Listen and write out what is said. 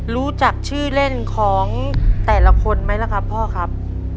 รู้จักชื่อเล่นของแต่ละคนไหมล่ะครับพ่อครับ